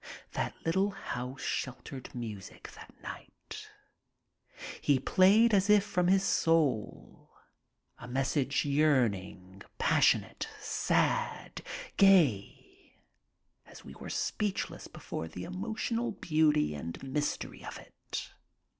That little house sheltered music that night. He played as if from his soul, a me ssage yearning, passionate, sad, gay, and we were speechless before the emotional beauty and mystery of it.